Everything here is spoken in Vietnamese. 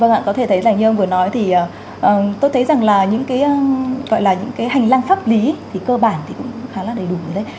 vâng ạ có thể thấy rằng như ông vừa nói thì tôi thấy rằng là những cái gọi là những cái hành lang pháp lý thì cơ bản thì cũng khá là đầy đủ ở đấy